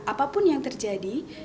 apapun yang terjadi